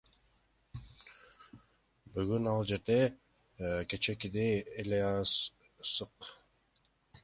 Бүгүн ал жерде кечээкидей эле ысык.